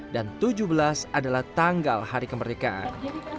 dan tujuh belas adalah tanggal hari kemerdekaan